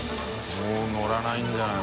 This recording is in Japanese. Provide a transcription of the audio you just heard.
發乗らないんじゃない？